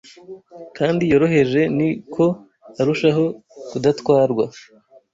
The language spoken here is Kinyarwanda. kandi yoroheje ni ko arushaho kudatwarwa